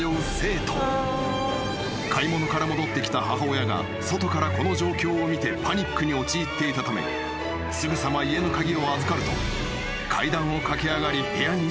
［買い物から戻ってきた母親が外からこの状況を見てパニックに陥っていたためすぐさま家の鍵を預かると階段を駆け上がり部屋に進入］